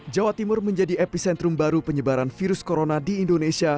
jawa timur menjadi epicentrum baru penyebaran virus corona di indonesia